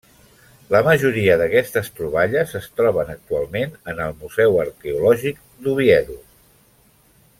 La majoria d'aquestes troballes es troben actualment en el Museu Arqueològic d'Oviedo.